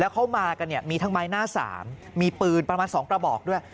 เขามากันเนี่ยมีทั้งไม้หน้า๓มีปืนประมาณ๒กระบอกด้วย